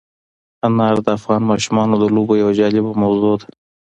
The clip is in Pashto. انار د افغان ماشومانو د لوبو یوه جالبه موضوع ده.